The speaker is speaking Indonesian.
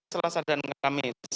selesai dan tidak amin